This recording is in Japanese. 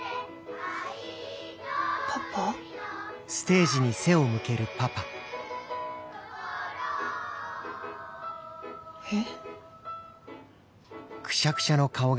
パパ？えっ？